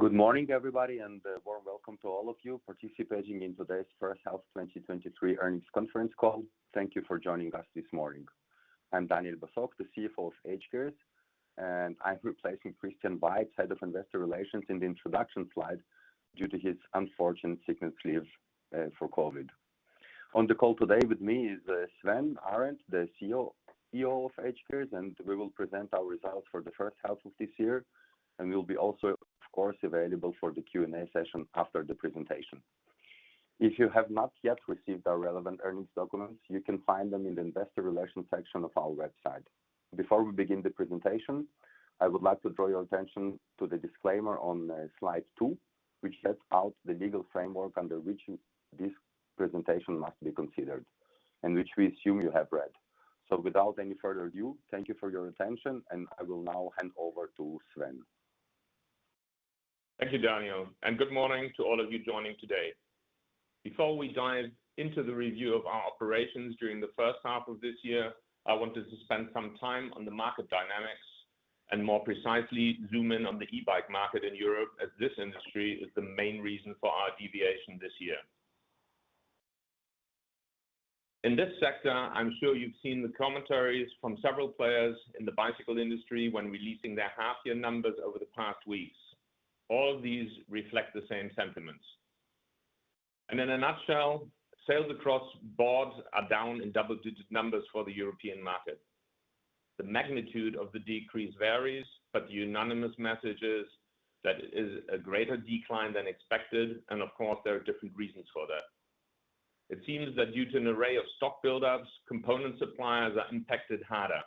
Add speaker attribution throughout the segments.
Speaker 1: Good morning, everybody, and a warm welcome to all of you participating in today's first half 2023 earnings conference call. Thank you for joining us this morning. I'm Daniel Basok, the CFO of hGears, and I'm replacing Christian Weiz, Head of Investor Relations, in the introduction slide due to his unfortunate sickness leave for COVID. On the call today with me is Sven Arend, the CEO of hGears, and we will present our results for the first half of this year, and we'll be also, of course, available for the Q&A session after the presentation. If you have not yet received our relevant earnings documents, you can find them in the Investor Relations section of our website. Before we begin the presentation, I would like to draw your attention to the disclaimer on slide two, which sets out the legal framework under which this presentation must be considered, and which we assume you have read. Without any further ado, thank you for your attention, and I will now hand over to Sven.
Speaker 2: Thank you, Daniel. Good morning to all of you joining today. Before we dive into the review of our operations during the first half of this year, I wanted to spend some time on the market dynamics and more precisely, zoom in on the e-bike market in Europe, as this industry is the main reason for our deviation this year. In this sector, I'm sure you've seen the commentaries from several players in the bicycle industry when releasing their half-year numbers over the past weeks. All of these reflect the same sentiments. In a nutshell, sales across boards are down in double-digit numbers for the European market. The magnitude of the decrease varies, but the unanimous message is that it is a greater decline than expected, and of course, there are different reasons for that. It seems that due to an array of stock buildups, component suppliers are impacted harder.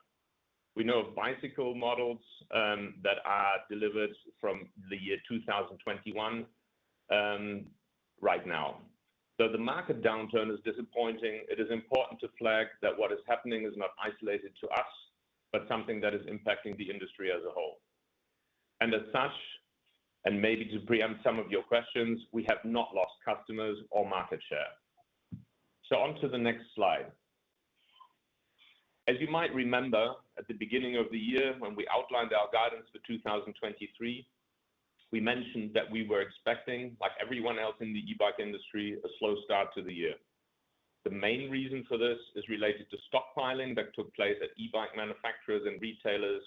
Speaker 2: We know of bicycle models that are delivered from the year 2021 right now. Though the market downturn is disappointing, it is important to flag that what is happening is not isolated to us, but something that is impacting the industry as a whole. As such, and maybe to preempt some of your questions, we have not lost customers or market share. On to the next slide. As you might remember, at the beginning of the year, when we outlined our guidance for 2023, we mentioned that we were expecting, like everyone else in the e-bike industry, a slow start to the year. The main reason for this is related to stockpiling that took place at e-bike manufacturers and retailers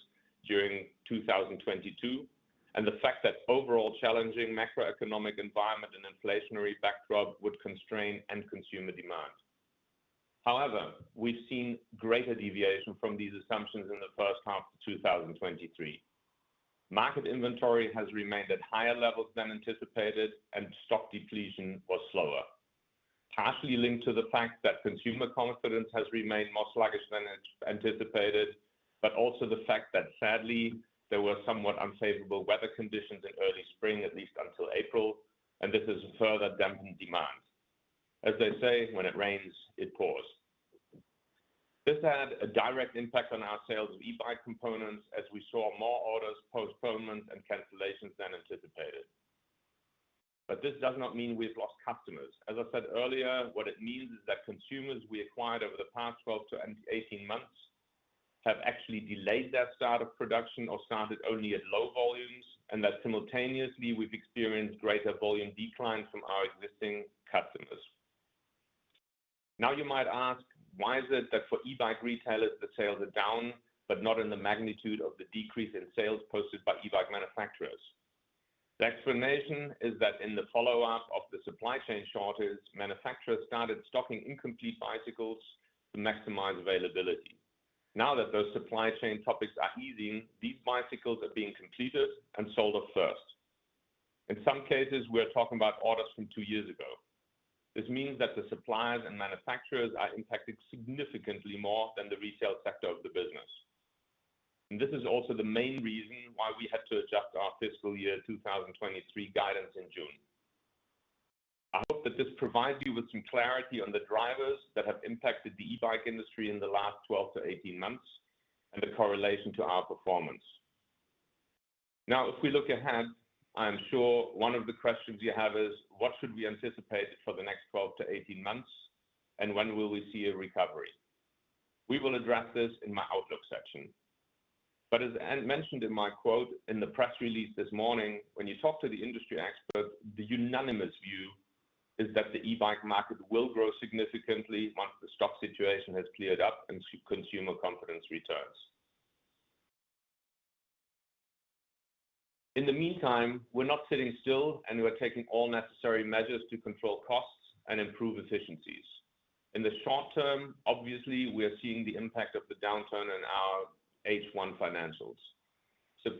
Speaker 2: during 2022, and the fact that overall challenging macroeconomic environment and inflationary backdrop would constrain end consumer demand. However, we've seen greater deviation from these assumptions in the first half of 2023. Market inventory has remained at higher levels than anticipated, and stock depletion was slower. Partially linked to the fact that consumer confidence has remained more sluggish than anticipated, but also the fact that sadly, there were somewhat unfavorable weather conditions in early spring, at least until April, and this has further dampened demand. As they say, when it rains, it pours. This had a direct impact on our sales of e-bike components, as we saw more orders, postponements, and cancellations than anticipated. This does not mean we've lost customers. As I said earlier, what it means is that consumers we acquired over the past 12-18 months have actually delayed their start of production or started only at low volumes, and that simultaneously, we've experienced greater volume decline from our existing customers. Now, you might ask, why is it that for e-bike retailers, the sales are down, but not in the magnitude of the decrease in sales posted by e-bike manufacturers? The explanation is that in the follow-up of the supply chain shortages, manufacturers started stocking incomplete bicycles to maximize availability. Now that those supply chain topics are easing, these bicycles are being completed and sold off first. In some cases, we are talking about orders from 2 years ago. This means that the suppliers and manufacturers are impacted significantly more than the retail sector of the business. This is also the main reason why we had to adjust our fiscal year 2023 guidance in June. I hope that this provides you with some clarity on the drivers that have impacted the e-bike industry in the last 12-18 months and the correlation to our performance. Now, if we look ahead, I am sure one of the questions you have is: What should we anticipate for the next 12-18 months, and when will we see a recovery? We will address this in my outlook section. As I mentioned in my quote in the press release this morning, when you talk to the industry experts, the unanimous view is that the e-bike market will grow significantly once the stock situation has cleared up and consumer confidence returns. In the meantime, we're not sitting still, and we're taking all necessary measures to control costs and improve efficiencies. In the short term, obviously, we are seeing the impact of the downturn in our H1 financials.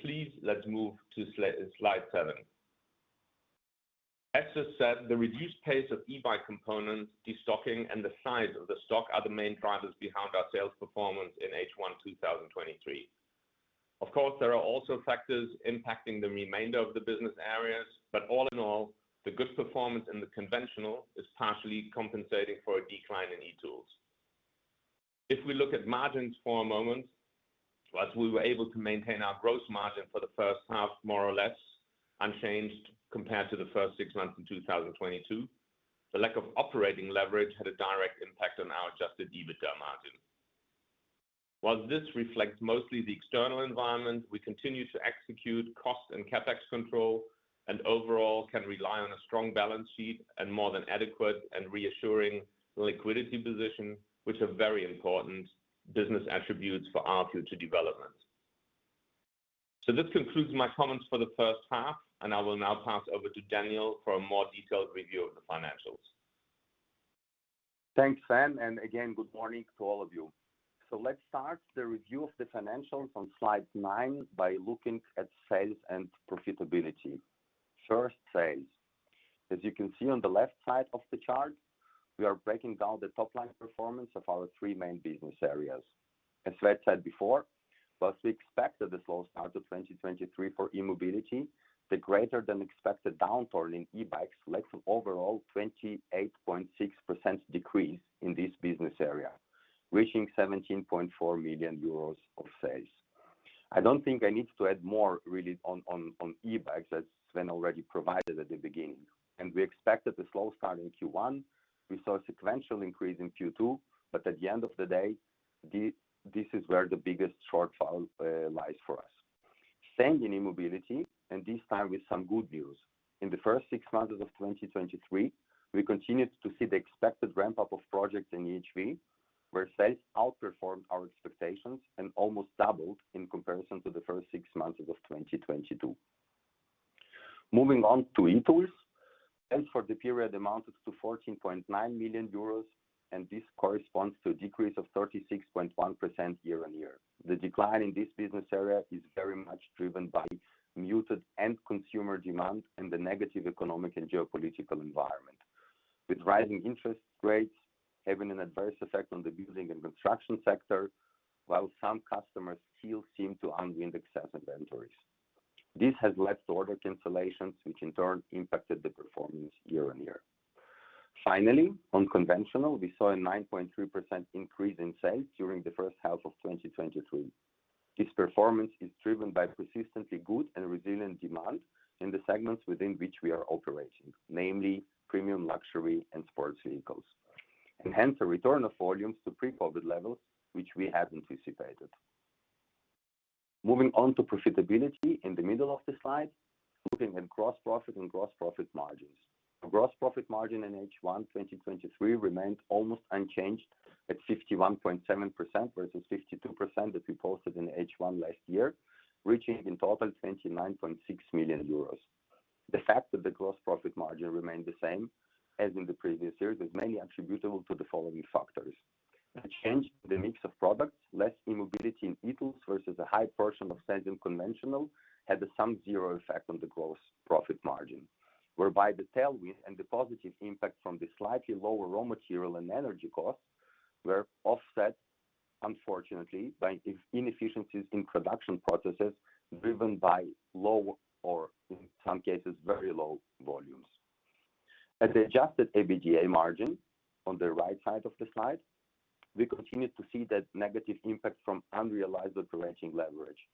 Speaker 2: Please, let's move to slide seven. As I said, the reduced pace of e-bike components, destocking, and the size of the stock are the main drivers behind our sales performance in H1, 2023. Of course, there are also factors impacting the remainder of the business areas, all in all, the good performance in the Conventional is partially compensating for a decline in e-Tools. If we look at margins for a moment, as we were able to maintain our gross margin for the first half, more or less unchanged compared to the first six months in 2022, the lack of operating leverage had a direct impact on our Adjusted EBITDA margin. While this reflects mostly the external environment, we continue to execute cost and CapEx control, and overall can rely on a strong balance sheet and more than adequate and reassuring liquidity position, which are very important business attributes for our future development. This concludes my comments for the first half, and I will now pass over to Daniel for a more detailed review of the financials.
Speaker 1: Thanks, Sven, and again, good morning to all of you. Let's start the review of the financials on slide 9 by looking at sales and profitability. First, sales. As you can see on the left side of the chart, we are breaking down the top-line performance of our three main business areas. As Sven said before, whilst we expected a slow start to 2023 for e-Mobility, the greater-than-expected downturn in e-bikes led to overall 28.6% decrease in this business area, reaching 17.4 million euros of sales. I don't think I need to add more really on e-bikes, as Sven already provided at the beginning, and we expected a slow start in Q1. We saw a sequential increase in Q2, but at the end of the day, this is where the biggest shortfall lies for us. Staying in e-Mobility, and this time with some good news. In the first six months of 2023, we continued to see the expected ramp-up of projects in EHV, where sales outperformed our expectations and almost doubled in comparison to the first six months of 2022. Moving on to e-Tools. Sales for the period amounted to 14.9 million euros, and this corresponds to a decrease of 36.1% year-on-year. The decline in this business area is very much driven by muted end consumer demand and the negative economic and geopolitical environment, with rising interest rates having an adverse effect on the building and construction sector, while some customers still seem to unwind excess inventories. This has led to order cancellations, which in turn impacted the performance year-on-year. On Conventional, we saw a 9.3% increase in sales during the first half of 2023. This performance is driven by persistently good and resilient demand in the segments within which we are operating, namely premium, luxury, and sports vehicles, and hence a return of volumes to pre-COVID levels, which we had anticipated. Moving on to profitability in the middle of the slide, looking at gross profit and gross profit margins. The gross profit margin in H1 2023 remained almost unchanged at 51.7%, versus 52% that we posted in H1 last year, reaching in total 29.6 million euros. The fact that the gross profit margin remained the same as in the previous years is mainly attributable to the following factors: A change in the mix of products, less e-Mobility and e-Tools versus a high portion of sales in Conventional, had a some zero effect on the gross profit margin, whereby the tailwind and the positive impact from the slightly lower raw material and energy costs were offset, unfortunately, by inefficiencies in production processes, driven by low, or in some cases very low volumes. At the Adjusted EBITDA margin on the right side of the slide, we continued to see that negative impact from unrealized operating leverage,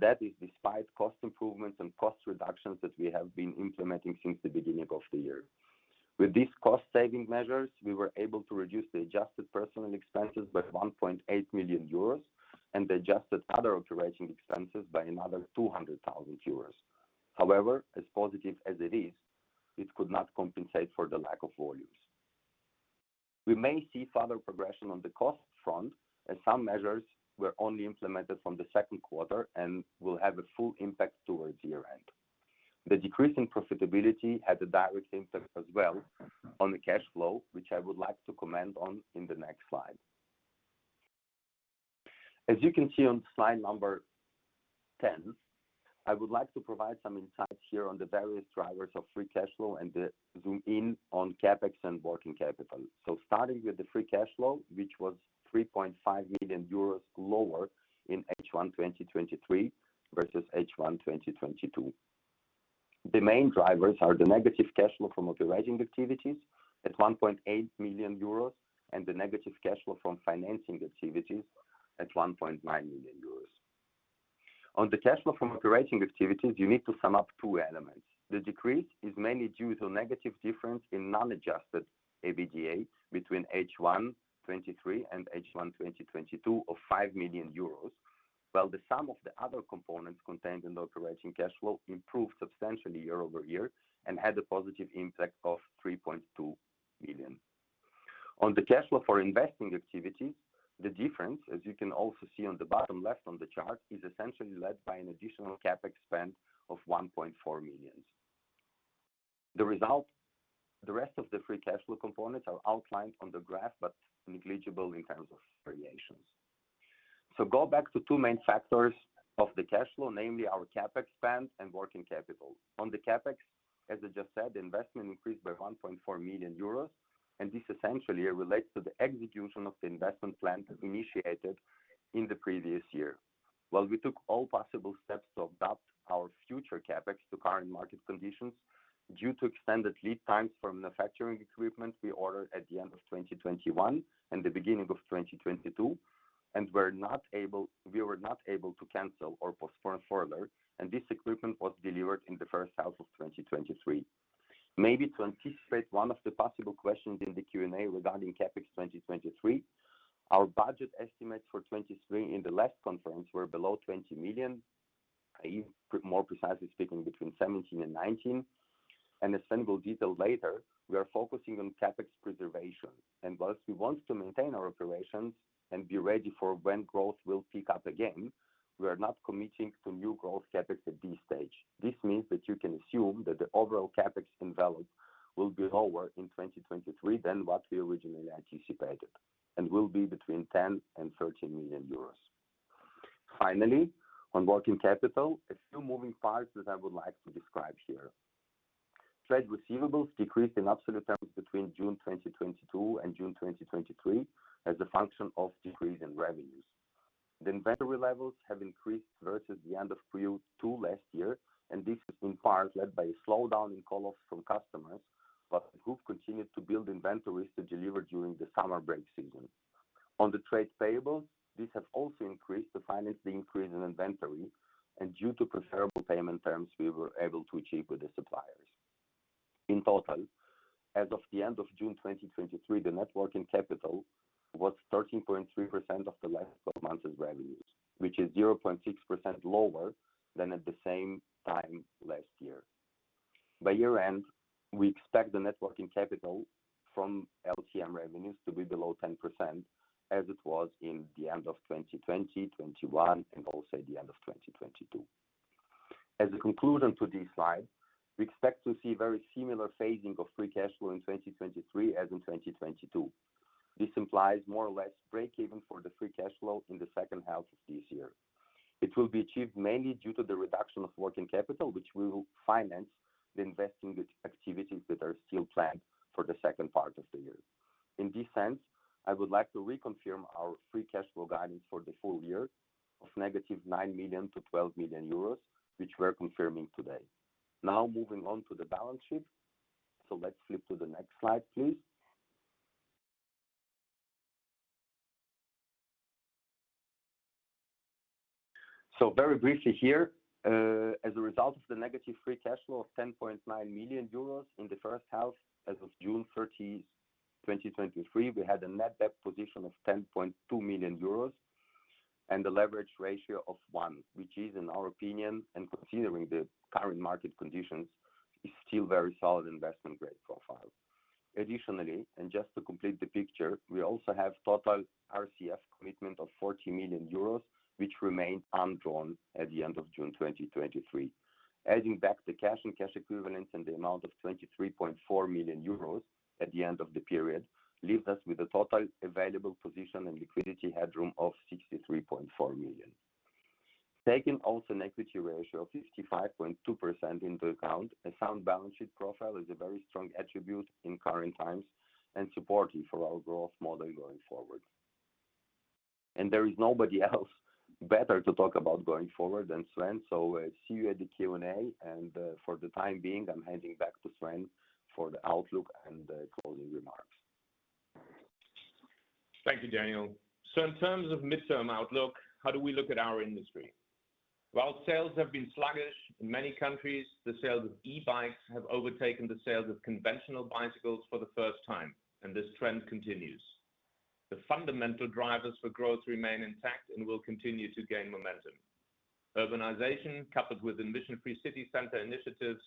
Speaker 1: that is despite cost improvements and cost reductions that we have been implementing since the beginning of the year. With these cost-saving measures, we were able to reduce the adjusted personal expenses by 1.8 million euros and the adjusted other operating expenses by another 200,000 euros. However, as positive as it is, it could not compensate for the lack of volumes. We may see further progression on the cost front, as some measures were only implemented from the second quarter and will have a full impact towards year-end. The decrease in profitability had a direct impact as well on the cash flow, which I would like to comment on in the next slide. As you can see on slide 10, I would like to provide some insights here on the various drivers of free cash flow and zoom in on CapEx and working capital. Starting with the free cash flow, which was 3.5 million euros lower in H1 2023 versus H1 2022. The main drivers are the negative cash flow from operating activities at 1.8 million euros and the negative cash flow from financing activities at 1.9 million euros. On the cash flow from operating activities, you need to sum up two elements. The decrease is mainly due to a negative difference in non-Adjusted EBITDA between H1 2023 and H1 2022 of 5 million euros, while the sum of the other components contained in the operating cash flow improved substantially year-over-year and had a positive impact of 3.2 million. On the cash flow for investing activities, the difference, as you can also see on the bottom left on the chart, is essentially led by an additional CapEx spend of 1.4 million. The rest of the free cash flow components are outlined on the graph, but negligible in terms of variations. Go back to two main factors of the cash flow, namely our CapEx spend and working capital. On the CapEx, as I just said, investment increased by 1.4 million euros, and this essentially relates to the execution of the investment plan that initiated in the previous year. While we took all possible steps to adapt our future CapEx to current market conditions, due to extended lead times from manufacturing equipment we ordered at the end of 2021 and the beginning of 2022, we were not able to cancel or postpone further, and this equipment was delivered in the first half of 2023. Maybe to anticipate one of the possible questions in the Q&A regarding CapEx 2023, our budget estimates for 2023 in the last conference were below 20 million. Even more precisely speaking, between 17 million and 19 million. As Sven will detail later, we are focusing on CapEx preservation, and thus we want to maintain our operations and be ready for when growth will pick up again. We are not committing to new growth CapEx at this stage. This means that you can assume that the overall CapEx envelope will be lower in 2023 than what we originally anticipated, and will be between 10 million and 13 million euros. Finally, on working capital, a few moving parts that I would like to describe here. Trade receivables decreased in absolute terms between June 2022 and June 2023, as a function of decrease in revenues. The inventory levels have increased versus the end of Q2 last year, this is in part led by a slowdown in call-offs from customers. The group continued to build inventories to deliver during the summer break season. On the trade payables, this has also increased to finance the increase in inventory and due to preferable payment terms we were able to achieve with the suppliers. In total, as of the end of June 2023, the net working capital was 13.3% of the last twelve months' revenues, which is 0.6% lower than at the same time last year. By year-end, we expect the net working capital from LTM revenues to be below 10%, as it was in the end of 2020, 2021, and also the end of 2022. As a conclusion to this slide, we expect to see very similar phasing of free cash flow in 2023 as in 2022. This implies more or less break even for the free cash flow in the second half of this year. It will be achieved mainly due to the reduction of working capital, which will finance the investing activities that are still planned for the second part of the year. In this sense, I would like to reconfirm our free cash flow guidance for the full year of -9 million to -12 million euros, which we're confirming today. Moving on to the balance sheet. Let's flip to the next slide, please. Very briefly here, as a result of the negative free cash flow of 10.9 million euros in the first half, as of June 30th, 2023, we had a net debt position of 10.2 million euros and a leverage ratio of 1, which is, in our opinion, and considering the current market conditions, is still very solid investment-grade profile. Additionally, just to complete the picture, we also have total RCF commitment of 40 million euros, which remained undrawn at the end of June 2023. Adding back the cash and cash equivalents in the amount of 23.4 million euros at the end of the period, leaves us with a total available position and liquidity headroom of 63.4 million. Taking also an equity ratio of 55.2% into account, a sound balance sheet profile is a very strong attribute in current times and supportive for our growth model going forward. There is nobody else better to talk about going forward than Sven. See you at the Q&A, and for the time being, I'm handing back to Sven for the outlook and the closing remarks.
Speaker 2: Thank you, Daniel. In terms of midterm outlook, how do we look at our industry? While sales have been sluggish in many countries, the sales of e-bikes have overtaken the sales of Conventional bicycles for the first time, and this trend continues. The fundamental drivers for growth remain intact and will continue to gain momentum. Urbanization, coupled with emission-free city center initiatives,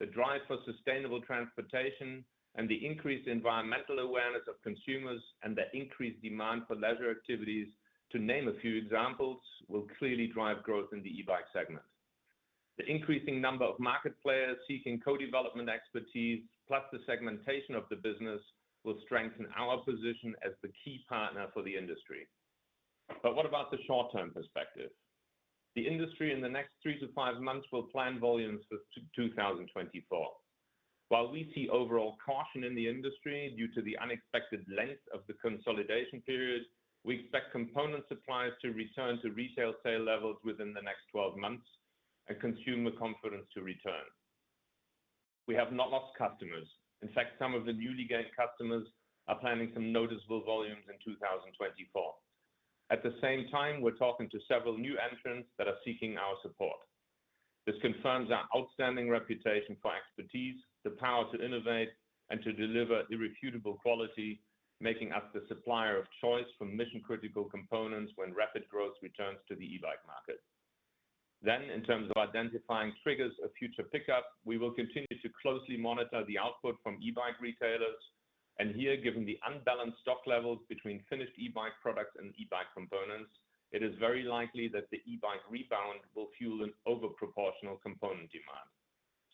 Speaker 2: the drive for sustainable transportation, and the increased environmental awareness of consumers, and the increased demand for leisure activities, to name a few examples, will clearly drive growth in the e-bike segment. The increasing number of market players seeking co-development expertise, plus the segmentation of the business, will strengthen our position as the key partner for the industry. What about the short-term perspective? The industry in the next 3-5 months will plan volumes for 2024. While we see overall caution in the industry due to the unexpected length of the consolidation period, we expect component suppliers to return to retail sale levels within the next 12 months and consumer confidence to return. We have not lost customers. In fact, some of the newly gained customers are planning some noticeable volumes in 2024. At the same time, we're talking to several new entrants that are seeking our support. This confirms our outstanding reputation for expertise, the power to innovate, and to deliver irrefutable quality, making us the supplier of choice for mission-critical components when rapid growth returns to the e-bike market. In terms of identifying triggers of future pickup, we will continue to closely monitor the output from e-bike retailers. Here, given the unbalanced stock levels between finished e-bike products and e-bike components, it is very likely that the e-bike rebound will fuel an overproportional component demand.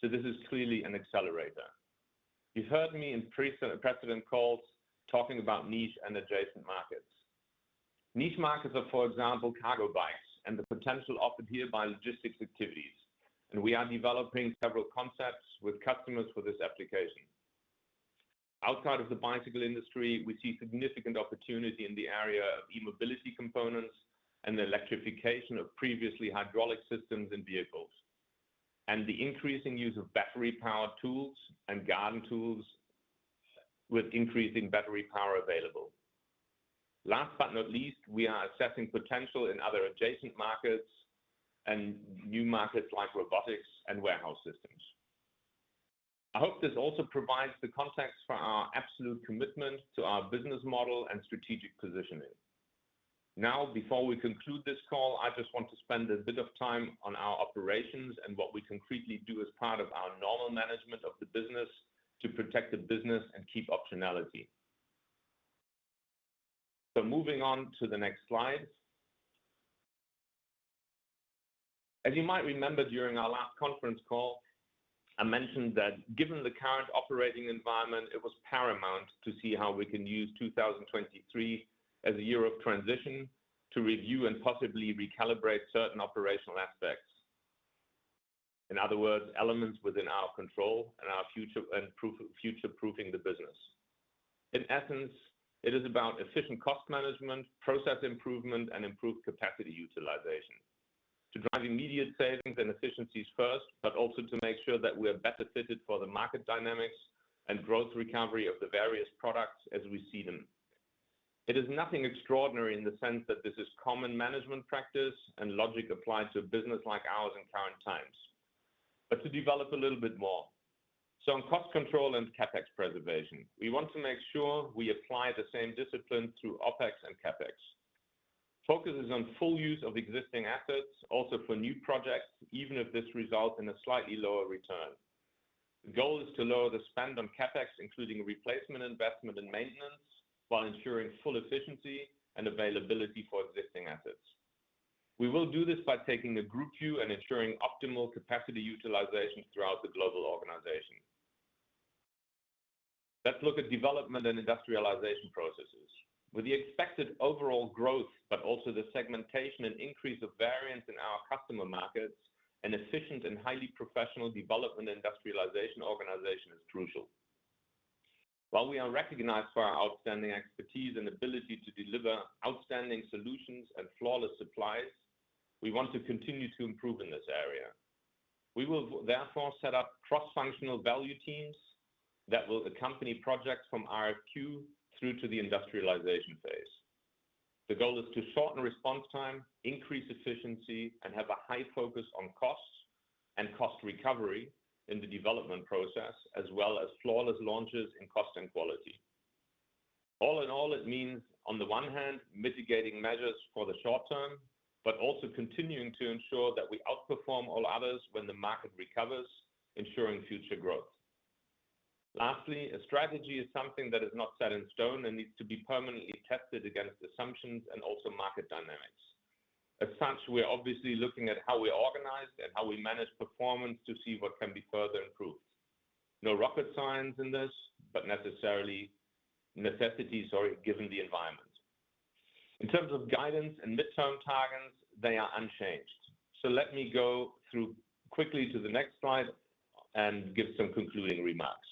Speaker 2: This is clearly an accelerator. You've heard me in precedent calls talking about niche and adjacent markets. Niche markets are, for example, cargo bikes and the potential offered here by logistics activities, and we are developing several concepts with customers for this application. Outside of the bicycle industry, we see significant opportunity in the area of e-Mobility components and the electrification of previously hydraulic systems in vehicles, and the increasing use of battery-powered tools and garden tools with increasing battery power available. Last but not least, we are assessing potential in other adjacent markets and new markets like robotics and warehouse systems. I hope this also provides the context for our absolute commitment to our business model and strategic positioning. Before we conclude this call, I just want to spend a bit of time on our operations and what we concretely do as part of our normal management of the business to protect the business and keep optionality. Moving on to the next slide. As you might remember, during our last conference call, I mentioned that given the current operating environment, it was paramount to see how we can use 2023 as a year of transition to review and possibly recalibrate certain operational aspects. In other words, elements within our control and our future-proofing the business. In essence, it is about efficient cost management, process improvement, and improved capacity utilization. To drive immediate savings and efficiencies first, but also to make sure that we are better fitted for the market dynamics and growth recovery of the various products as we see them. It is nothing extraordinary in the sense that this is common management practice, and logic applies to a business like ours in current times. To develop a little bit more. In cost control and CapEx preservation, we want to make sure we apply the same discipline through OpEx and CapEx. Focus is on full use of existing assets, also for new projects, even if this results in a slightly lower return. The goal is to lower the spend on CapEx, including replacement, investment, and maintenance, while ensuring full efficiency and availability for existing assets. We will do this by taking a group view and ensuring optimal capacity utilization throughout the global organization. Let's look at development and industrialization processes. With the expected overall growth, but also the segmentation and increase of variance in our customer markets, an efficient and highly professional development industrialization organization is crucial. While we are recognized for our outstanding expertise and ability to deliver outstanding solutions and flawless supplies, we want to continue to improve in this area. We will, therefore, set up cross-functional value teams that will accompany projects from RFQ through to the industrialization phase. The goal is to shorten response time, increase efficiency, and have a high focus on costs and cost recovery in the development process, as well as flawless launches in cost and quality. All in all, it means, on the one hand, mitigating measures for the short term, but also continuing to ensure that we outperform all others when the market recovers, ensuring future growth. Lastly, a strategy is something that is not set in stone and needs to be permanently tested against assumptions and also market dynamics. As such, we're obviously looking at how we're organized and how we manage performance to see what can be further improved. No rocket science in this, but necessarily necessities are given the environment. In terms of guidance and midterm targets, they are unchanged. Let me go through quickly to the next slide and give some concluding remarks.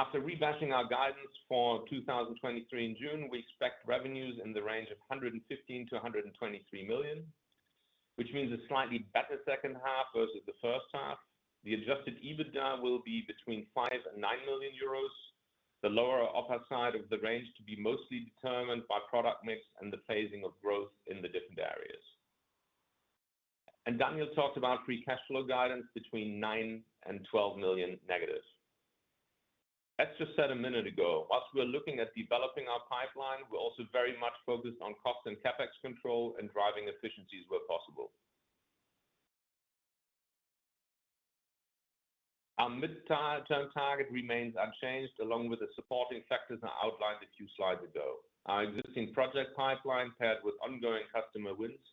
Speaker 2: After revamping our guidance for 2023 in June, we expect revenues in the range of 115 million-123 million, which means a slightly better second half versus the first half. The Adjusted EBITDA will be between 5 million and 9 million euros. The lower or upper side of the range to be mostly determined by product mix and the phasing of growth in the different areas. Daniel talked about free cash flow guidance between 9 million and 12 million negatives. As just said a minute ago, whilst we're looking at developing our pipeline, we're also very much focused on cost and CapEx control and driving efficiencies where possible. Our mid-term target remains unchanged, along with the supporting factors I outlined a few slides ago. Our existing project pipeline, paired with ongoing customer wins,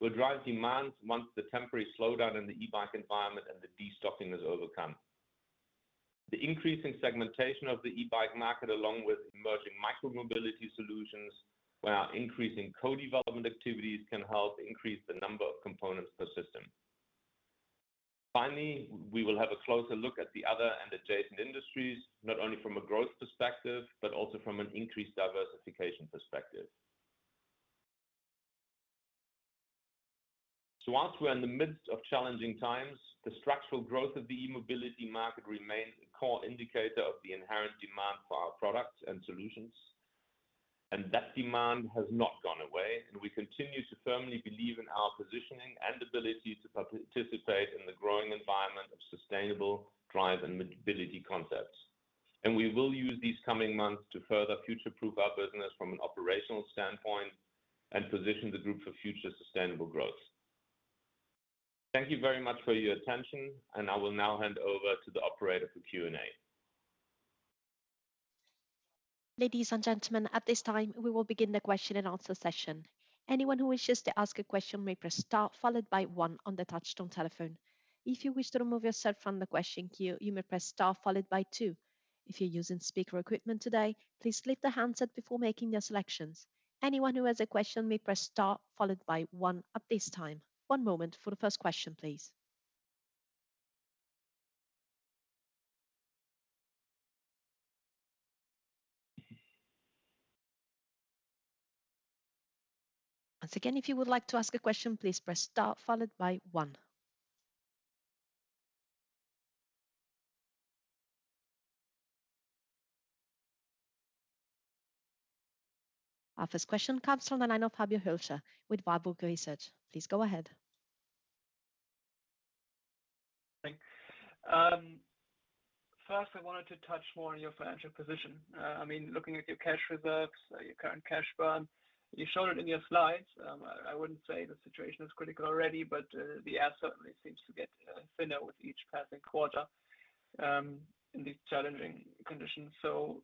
Speaker 2: will drive demand once the temporary slowdown in the e-bike environment and the destocking is overcome. The increasing segmentation of the e-bike market, along with emerging micro-mobility solutions, where our increasing co-development activities can help increase the number of components per system. Finally, we will have a closer look at the other and adjacent industries, not only from a growth perspective, but also from an increased diversification perspective. Whilst we are in the midst of challenging times, the structural growth of the e-Mobility market remains a core indicator of the inherent demand for our products and solutions. That demand has not gone away. We continue to firmly believe in our positioning and ability to participate in the growing environment of sustainable drive and mobility concepts. We will use these coming months to further future-proof our business from an operational standpoint and position the group for future sustainable growth. Thank you very much for your attention. I will now hand over to the operator for Q&A.
Speaker 3: Ladies and gentlemen, at this time, we will begin the question-and-answer session. Anyone who wishes to ask a question may press star followed by one on the touch-tone telephone. If you wish to remove yourself from the question queue, you may press star followed by two. If you're using speaker equipment today, please lift the handset before making your selections. Anyone who has a question may press star followed by one at this time. One moment for the first question, please. Once again, if you would like to ask a question, please press star followed by one. Our first question comes from the line of Fabio Hölscher with Warburg Research. Please go ahead.
Speaker 4: Thanks. First, I wanted to touch more on your financial position. I mean, looking at your cash reserves, your current cash burn, you showed it in your slides. I, I wouldn't say the situation is critical already, but the air certainly seems to get thinner with each passing quarter, in these challenging conditions.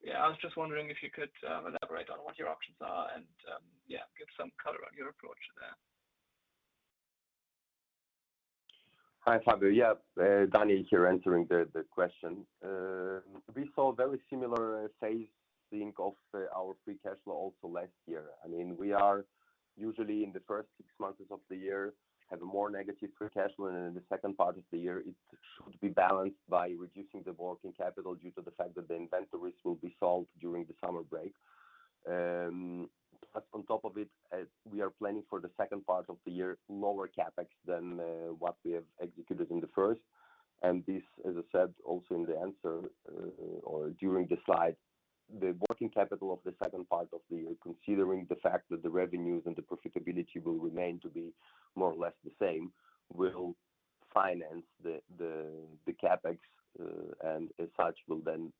Speaker 4: Yeah, I was just wondering if you could elaborate on what your options are and, yeah, give some color on your approach there.
Speaker 2: Hi, Fabio. Yeah, Danny here answering the question. We saw very similar phasing of our free cash flow also last year. I mean, we are usually in the first 6 months of the year, have a more negative free cash flow, and in the second part of the year, it should be balanced by reducing the working capital due to the fact that the inventories will be solved during the summer break. On top of it, we are planning for the second part of the year, lower CapEx than what we have executed in the first. This, as I said, also in the answer, or during the slide, the working capital of the second part of the year, considering the fact that the revenues and the profitability will remain to be more or less the same, will finance the, the, the CapEx, and as such will then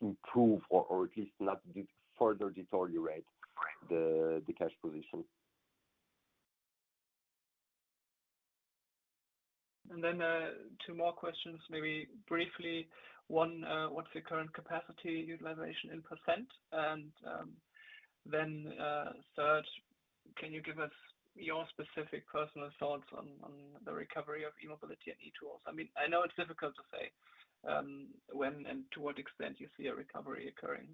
Speaker 2: improve or, or at least not further deteriorate the, the cash position.
Speaker 4: Then, two more questions, maybe briefly. One, what's your current capacity utilization in percent? Then, third, can you give us your specific personal thoughts on, on the recovery of e-Mobility and e-Tools? I mean, I know it's difficult to say, when and to what extent you see a recovery occurring,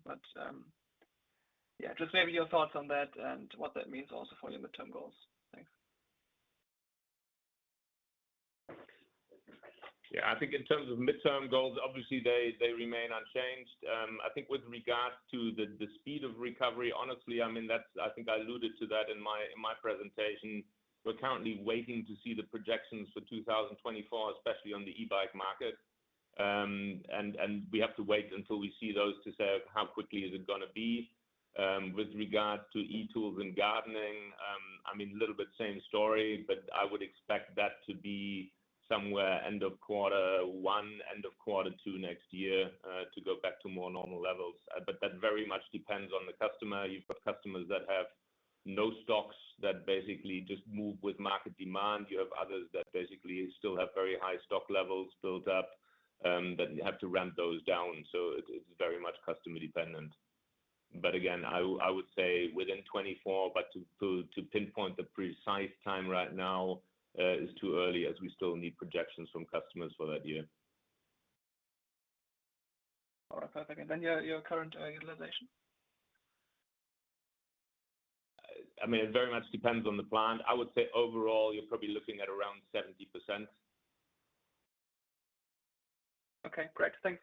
Speaker 4: yeah, just maybe your thoughts on that and what that means also for your midterm goals. Thanks.
Speaker 2: Yeah, I think in terms of midterm goals, obviously, they, they remain unchanged. I think with regards to the, the speed of recovery, honestly, I mean, that's I think I alluded to that in my, in my presentation. We're currently waiting to see the projections for 2024, especially on the e-bike market. We have to wait until we see those to say, how quickly is it gonna be? With regard to e-Tools and gardening, I mean, a little bit same story, but I would expect that to be somewhere end of quarter one, end of quarter two next year, to go back to more normal levels. That very much depends on the customer. You've got customers that have no stocks, that basically just move with market demand. You have others that basically still have very high stock levels built up, that have to ramp those down. It's very much customer dependent. Again, I would say within 24, but to pinpoint the precise time right now, is too early, as we still need projections from customers for that year.
Speaker 4: All right, perfect. Then your, your current utilization?
Speaker 2: I mean, it very much depends on the plant. I would say overall, you're probably looking at around 70%.
Speaker 4: Okay, great. Thanks.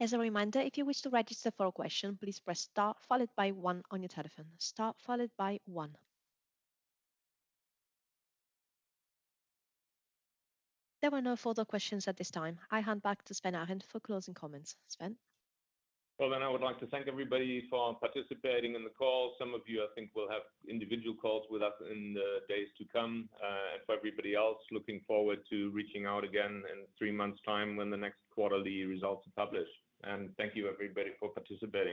Speaker 3: As a reminder, if you wish to register for a question, please press star followed by one on your telephone. Star followed by one. There were no further questions at this time. I hand back to Sven Arend for closing comments. Sven?
Speaker 2: Well, then I would like to thank everybody for participating in the call. Some of you, I think, will have individual calls with us in the days to come. For everybody else, looking forward to reaching out again in three months time when the next quarterly results are published. Thank you, everybody, for participating.